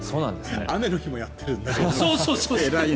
雨の日もやってるんだから偉い。